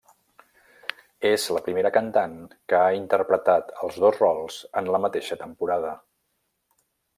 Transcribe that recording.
És la primera cantant que ha interpretat els dos rols en la mateixa temporada.